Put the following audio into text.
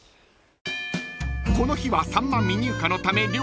［この日はさんま未入荷のため料理が出せず］